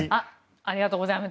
ありがとうございます。